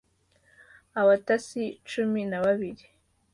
abatasi cumi na babiri